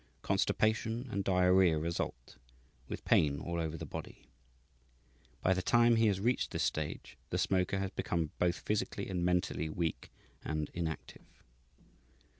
Constipation and diarrhoea result, with pain all over the body. By the time he has reached this stage, the smoker has become both physically and mentally weak and inactive.